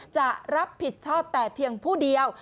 จะรับผิดชอบแต่เพียงผู้เดียว